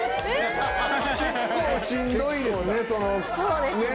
結構しんどいですね。